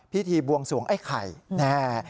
พิธีบวงสวงไอ้ไข่แน่